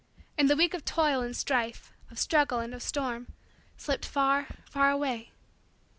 And the week of toil and strife, of struggle and of storm, slipped far, far, away.